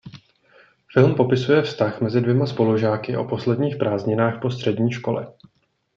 Film popisuje vztah mezi dvěma spolužáky o posledních prázdninách po střední škole.